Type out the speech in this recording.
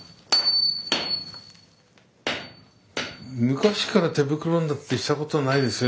昔から手袋なんてしたことないですよ